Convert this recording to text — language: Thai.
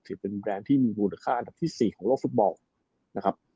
ถือเป็นแบรนด์ที่มีมูลค่าอันดับที่๔ของโลกฟุตบอลนะครับ